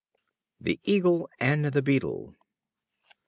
The Eagle and the Beetle.